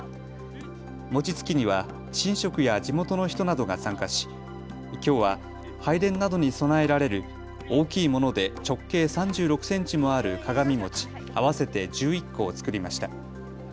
餅つきには神職や地元の人などが参加しきょうは拝殿などに供えられる大きいもので直径３６センチもある鏡餅、合わせて１１個を作りました。